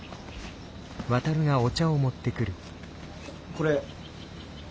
これ。